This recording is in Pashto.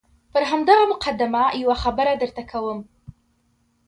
پر همدغه مقدمه یوه خبره درته کوم.